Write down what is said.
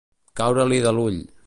Caure-li de l'ull.